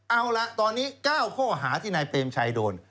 เอาละตอนนี้๙ข้อหาที่นายเปรมชัยโดน